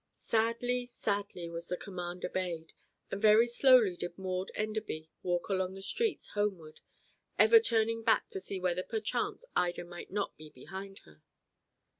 Sadly, sadly was the command obeyed, and very slowly did Maud Enderby walk along the streets homeward, ever turning back to see whether perchance Ida might not be behind her.